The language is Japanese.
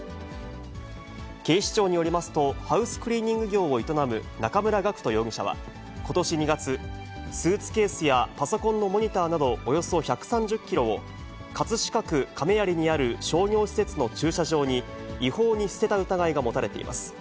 警視庁によりますと、ハウスクリーニング業を営む中村嶽人容疑者は、ことし２月、スーツケースやパソコンのモニターなどおよそ１３０キロを、葛飾区亀有にある商業施設の駐車場に、違法に捨てた疑いが持たれています。